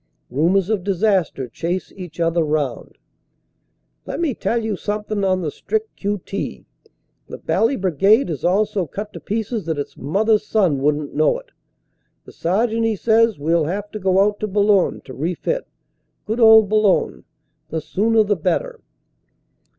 Rumors of disaster chase each other round. "Let me tell you sumpthin on the strict Q.T. The bally Brigade is all so cut to pieces that its mother s son wouldn t know it. The Sergeant, he says, we ll have to go out to Boulogne to refit good old Boulogne the sooner the better."